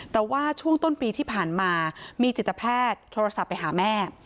แต่ว่าช่วงต้นปีที่ผ่านมามีจิตแพทย์โทรศัพท์ไปหาแม่